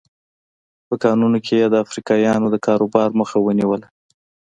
په کانونو کې یې د افریقایانو د کاروبار مخه ونیوله.